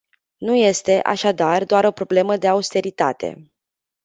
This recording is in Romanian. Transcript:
Nu este, așadar, doar o problemă de austeritate.